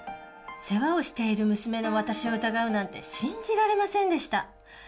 世話をしている娘の私を疑うなんて信じられませんでした。